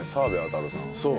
そう。